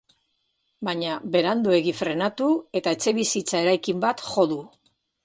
Baina beranduegi frenatu eta etxebizitza eraikin bat jo du.